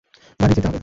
বাড়ি যেতে হবে!